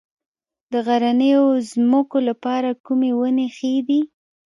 د غرنیو ځمکو لپاره کومې ونې ښې دي؟